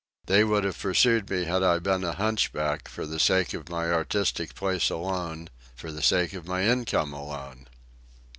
They would have pursued me had I been a hunchback, for the sake of my artistic place alone, for the sake of my income alone.